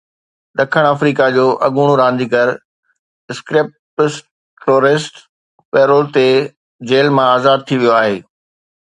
ڏکڻ آفريڪا جو اڳوڻو رانديگر اسڪر پسٽوريئس پيرول تي جيل مان آزاد ٿي ويو آهي